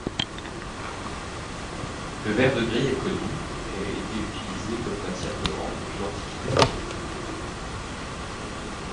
Le vert-de-gris est connu et a été utilisé comme matière colorante depuis l'Antiquité.